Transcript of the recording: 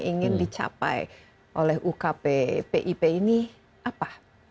ingin dicapai oleh ukp pip ini apa